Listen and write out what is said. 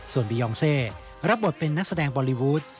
ส่วนบียองเซรับบทเป็นนักแสดงบอลลีวูด